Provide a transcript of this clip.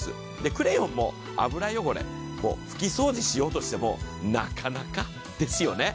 クレヨンも油汚れ、ふき掃除しようとしてもなかなかですよね。